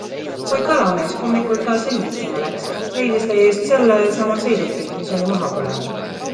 Kui kalamees hommikul taas õngitsema läks, leidis ta eest selle sama sõiduki, mis oli maha põlenud.